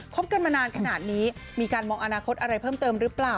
กันมานานขนาดนี้มีการมองอนาคตอะไรเพิ่มเติมหรือเปล่า